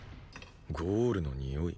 ゴールのにおい。